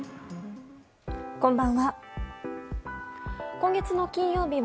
こんばんは。